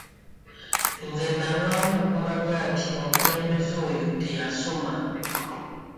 Nze nnalwawo okumanya nti omukulembeze oyo teyasoma.